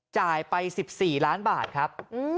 จ่ายไป๑๔ล้านบาทครับ